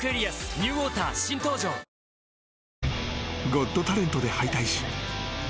［『ゴット・タレント』で敗退し手こぎ